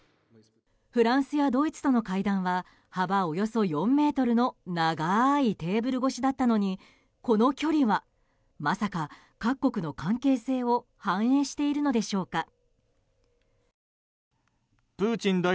フランスやドイツとの会談は幅およそ４ｍの長いテーブル越しだったのにこの距離はまさか各国の関係性を反映しているのでしょうか？